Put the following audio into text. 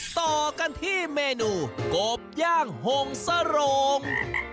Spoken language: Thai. ต่อกันที่เมนูกบย่างหงสโรง